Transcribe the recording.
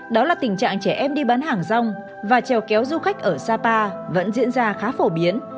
đó là tình trạng trẻ em đi bán hàng rong và trèo kéo du khách ở sapa vẫn diễn ra khá phổ biến